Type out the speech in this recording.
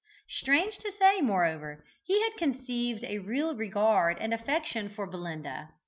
Strange to say, moreover, he had conceived a real regard and affection for Belinda.